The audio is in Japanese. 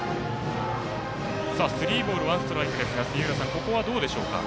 スリーボールワンストライクですがここは、どうでしょうか。